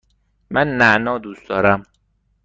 من نعنا دوست دارم.